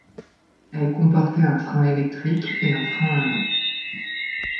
Elles comportaient un frein électrique et un frein à main.